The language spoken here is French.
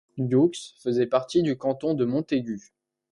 Youx faisait partie du canton de Montaigut.